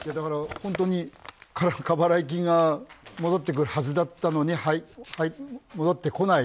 本当に過払い金が戻ってくるはずだったのに戻ってこない。